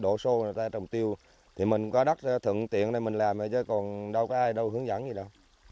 độ sô người ta trồng tiêu thì mình có đắc thượng tiện này mình làm rồi chứ còn đâu có ai đâu hướng dẫn gì đâu